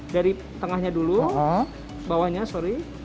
dari tengahnya dulu bawahnya sorry